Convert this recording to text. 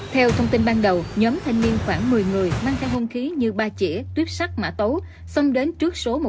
theo thông tin ban đầu nhóm thanh niên khoảng một mươi người mang theo hung khí như ba chỉa tuyếp sắt mã tấu